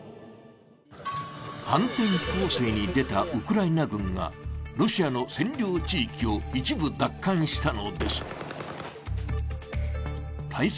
反転攻勢に出たウクライナ軍がロシアの占領地域を一部奪還したのです。